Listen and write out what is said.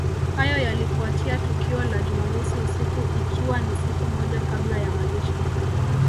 Hayo yalifuatia tukio la jumamosi usiku ikiwa ni siku moja kabla ya mazishi